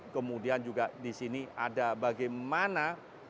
kemudian juga di sini ada bagaimana